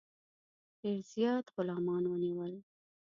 ډېر زیات غلامان ونیول.